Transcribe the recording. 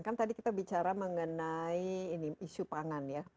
kan tadi kita bicara mengenai isu pangan ya